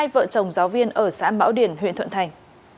hai vợ chồng giáo viên ở xã mão điền huyện thuận thành